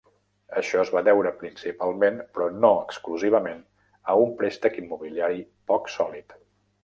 Això es va deure principalment, però no exclusivament, a un préstec immobiliari poc sòlid.